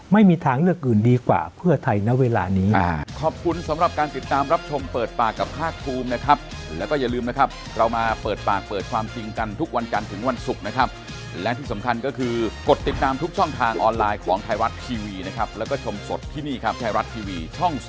ไม่มีทางเลือกอื่นดีกว่าเพื่อไทยณเวลานี้